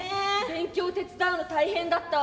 「勉強手伝うの大変だった」。